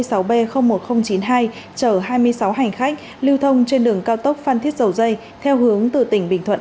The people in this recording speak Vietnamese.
chở hai mươi sáu hành khách lưu thông trên đường cao tốc phan thiết dầu dây theo hướng từ tỉnh bình thuận